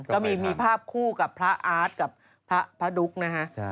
ก็มีภาพคู่กับพระอาร์ตกับพระดุ๊กนะฮะ